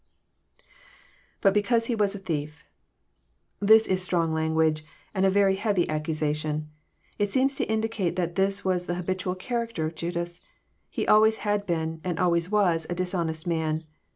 IBut because lie was a thief,'] This is strong language, and a very heavy accusation. It seems to indicate that this was the habitual character of Judas. He always had been, and always was, a dishonest man.